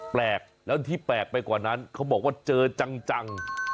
แปลกแล้วที่แปลกไปกว่านั้นเขาบอกว่าเจอจัง